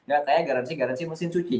gak tanya garansi garansi mesin cuci